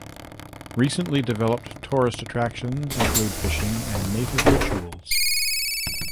Recently developed tourist attractions include fishing and native rituals.